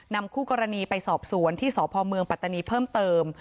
คู่กรณีไปสอบสวนที่สพเมืองปัตตานีเพิ่มเติม